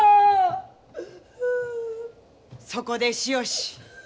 ・そこでしよし。